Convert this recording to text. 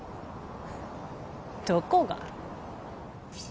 どこが？